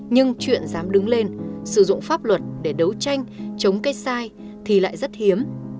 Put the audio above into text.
nhưng chuyện dám đứng lên sử dụng pháp luật để đấu tranh chống cái sai thì lại rất hiếm